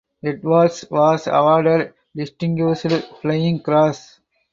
Edwards was awarded Distinguished flying Cross.